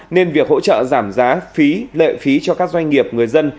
nên việc hỗ trợ giảm giá phí lệ phí cho các doanh nghiệp người dân